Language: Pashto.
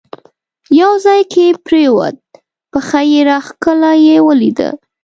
یو ځای کې پرېوت، پښه یې راکښله، یې ولیده.